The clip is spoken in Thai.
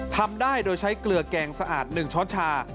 ทำได้โดยใช้เกลือแกงสะอาด๑ช้อนชา